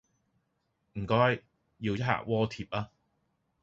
唔該，要一客鍋貼吖